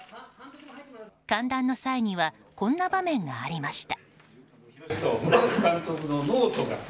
歓談の際にはこんな場面がありました。